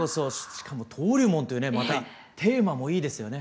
しかも「登竜門」というねまたテーマもいいですよね。